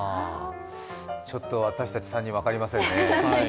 ちょっと私たち３人分かりませんね。